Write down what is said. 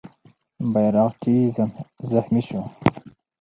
بیرغچی زخمي سو.